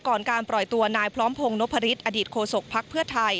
ก่อนการปล่อยตัวนายพร้อมพงศ์นพฤษอดีตโฆษกภักดิ์เพื่อไทย